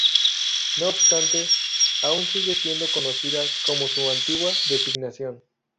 No obstante, aún sigue siendo conocida con su antigua designación.